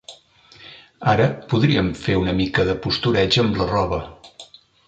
Ara podríem fer una mica de postureig amb la roba.